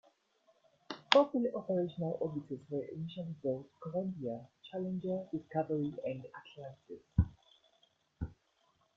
Four fully operational orbiters were initially built: "Columbia", "Challenger", "Discovery", and "Atlantis".